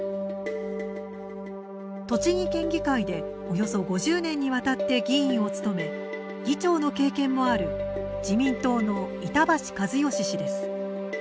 栃木県議会でおよそ５０年にわたって議員を務め議長の経験もある自民党の板橋一好氏です。